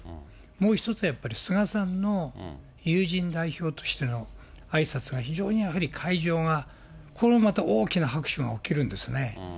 もう１つはやっぱり菅さんの友人代表としてのあいさつが非常にやはり会場が、これもまた大きな拍手が起きるんですね。